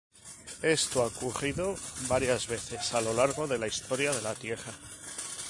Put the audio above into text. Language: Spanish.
Esto ha ocurrido varias veces a lo largo de la historia de la Tierra.